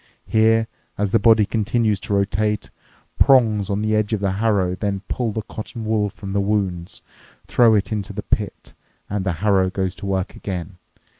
Here, as the body continues to rotate, prongs on the edge of the harrow then pull the cotton wool from the wounds, throw it into the pit, and the harrow goes to work again.